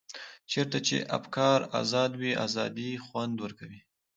چېرته چې افکار ازاد وي ازادي خوند ورکوي.